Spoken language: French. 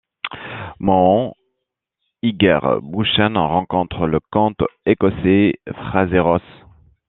Mohand Iguerbouchène rencontre le comte écossais Fraser Ross.